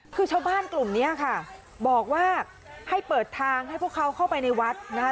คือชาวบ้านกลุ่มนี้ค่ะบอกว่าให้เปิดทางให้พวกเขาเข้าไปในวัดนะคะ